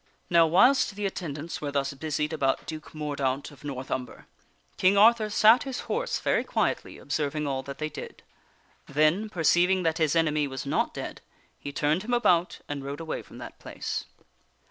Now whilst the attendants were thus busied about Duke Mordaunt of North Umber, King Arthur sat his horse, very quietly, observing all that they did. Then, perceiving that his enemy was not dead, he turned him about and rode away from that place.